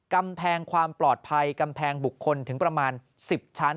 กำแพงความปลอดภัยกำแพงบุคคลถึงประมาณ๑๐ชั้น